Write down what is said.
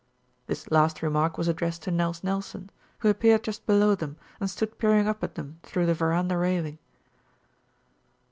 This last remark was addressed to Nels Nelson, who appeared just below them and stood peering up at them through the veranda railing.